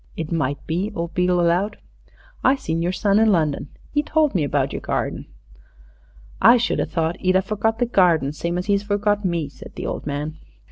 "It might be," old Beale allowed. "I seen your son in London. 'E told me about yer garden." "I should a thought 'e'd a forgot the garden same as 'e's forgot me," said the old man.